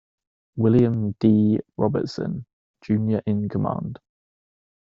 William D. Robertson, Junior in command.